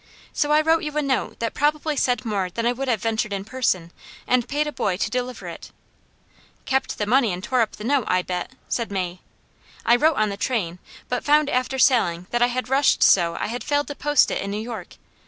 So I wrote you a note that probably said more than I would have ventured in person, and paid a boy to deliver it.'" "Kept the money and tore up the note, I bet!" said May. "'I wrote on the train, but found after sailing that I had rushed so I had failed to post it in New York.